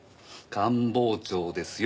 官房長ですよ。